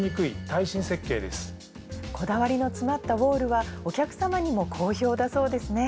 こだわりの詰まったＷＡＬＬはお客様にも好評だそうですね。